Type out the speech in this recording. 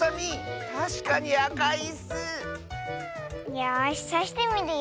よしさしてみるよ。